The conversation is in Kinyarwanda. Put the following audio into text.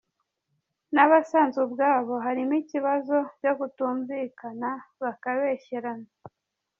nabasanzwe ubwabo harimo ikibazo cyo kutumvikana ,bakabeshyerana .